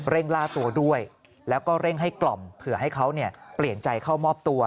ล่าตัวด้วยแล้วก็เร่งให้กล่อมเผื่อให้เขาเปลี่ยนใจเข้ามอบตัว